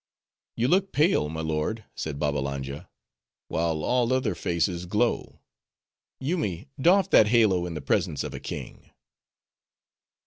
"You look pale, my lord," said Babbalanja, "while all other faces glow;—Yoomy, doff that halo in the presence of a king."